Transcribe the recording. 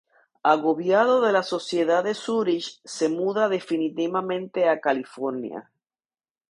Agobiado de la sociedad de Zúrich, se muda definitivamente a California.